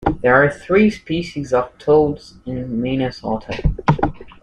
There are three species of toads in Minnesota.